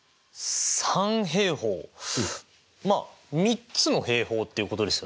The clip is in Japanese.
三平方まあ３つの平方っていうことですよね。